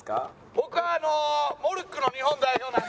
僕はモルックの日本代表なんで。